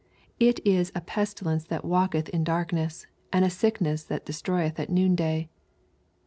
It is a pestilence that walketh in darkness, and a sickness that iestroyeth at noon day.